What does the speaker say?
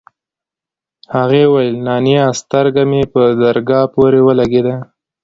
هغې وويل نانيه سترگه مې په درگاه پورې ولگېده.